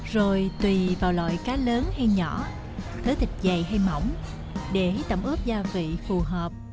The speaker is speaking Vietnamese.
rồi tùy vào loại cá lớn hay nhỏ thớ thịt dày hay mỏng để tẩm ớp gia vị phù hợp